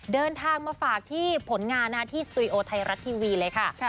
เดินทางมาฝากที่ผลงานที่สตูดิโอไทยรัฐทีวีเลยค่ะ